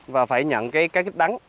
và phải nhận cái cá kích đắng